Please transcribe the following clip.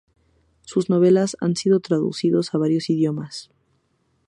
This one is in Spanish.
Sus novelas han sido traducidos a varios idiomas.